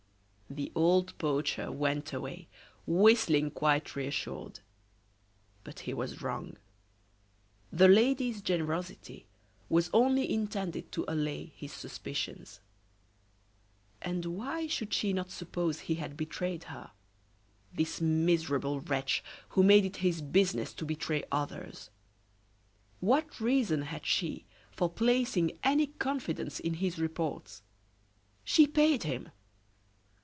The old poacher went away, whistling quite reassured; but he was wrong. The lady's generosity was only intended to allay his suspicions. And why should she not suppose he had betrayed her this miserable wretch, who made it his business to betray others? What reason had she for placing any confidence in his reports? She paid him!